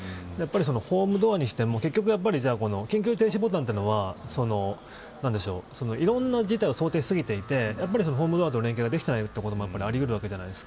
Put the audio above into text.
やっぱりホームドアにしても結局、やっぱり緊急停止ボタンというのはいろんな事態を想定しすぎていてホームドアとの連携ができていないこともありうるわけです。